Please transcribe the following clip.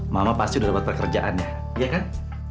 mama pasti udah dapat pekerjaannya iya kan